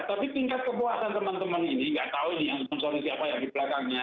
tapi tingkat kepuasan teman teman ini tidak tahu ini yang mencari siapa yang mencari